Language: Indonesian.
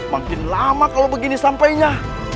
makin lama kalau begini sampainya